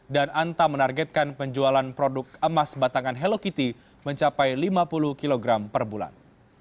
dan antam menargetkan penjualan produk emas batangan hello kitty mencapai lima puluh kilogram per bulan